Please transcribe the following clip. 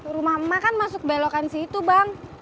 rumah emak kan masuk belokan situ bang